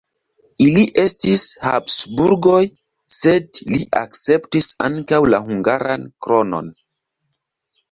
Ili estis Habsburgoj, sed li akceptis ankaŭ la hungaran kronon.